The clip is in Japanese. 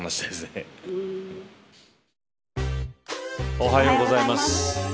おはようございます。